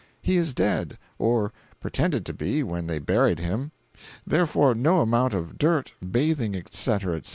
He is dead—or pretended to be, when they buried him. Therefore, no amount of 'dirt, bathing,' etc., etc.